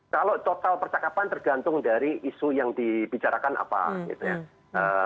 kalau total percakapan tergantung dari isu yang dibicarakan apa gitu ya